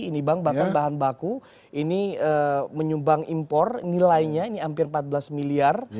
ini bank bahkan bahan baku ini menyumbang impor nilainya ini hampir empat belas miliar